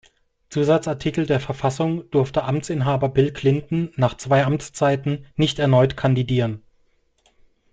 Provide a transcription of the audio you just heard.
Zusatzartikel der Verfassung durfte Amtsinhaber Bill Clinton nach zwei Amtszeiten nicht erneut kandidieren.